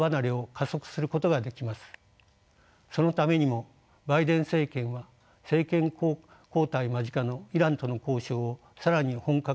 そのためにもバイデン政権は政権交代間近のイランとの交渉を更に本格化させるでしょう。